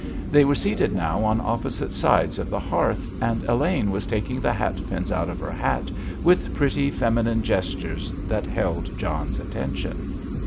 They were seated now on opposite sides of the hearth, and Elaine was taking the hatpins out of her hat with pretty feminine gestures that held John's attention.